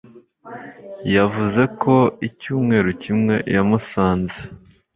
Yavuze ko icyumweru kimwe yamusanze